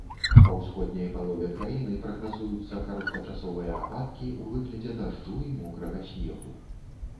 Па ўсходняй палове краіны прагназуюцца кароткачасовыя ападкі ў выглядзе дажджу і мокрага снегу.